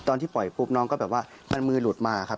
ตอนที่ปล่อยปุ๊บน้องก็แบบว่ามันมือหลุดมาครับ